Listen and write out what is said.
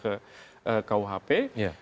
yang diandalkan ke kuhp